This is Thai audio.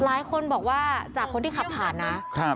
หลายคนบอกว่าจากคนที่ขับผ่านนะ